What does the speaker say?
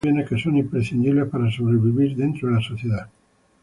Los primeros son los bienes que son imprescindibles para sobrevivir dentro de la sociedad.